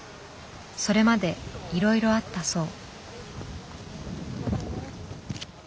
それまでいろいろあったそう。